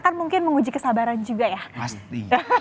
kan mungkin menguji kesabaran juga ya